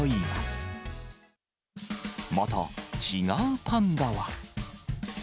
また、違うパンダは。